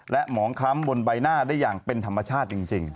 และหมองคล้ำบนใบหน้าได้อย่างเป็นธรรมชาติจริง